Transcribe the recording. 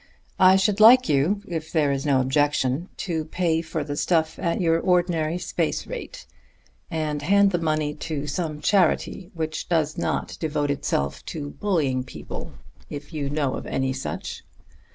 I should like you, if there is no objection, to pay for the stuff at your ordinary space rate, and hand the money to some charity which does not devote itself to bullying people, if you know of any such.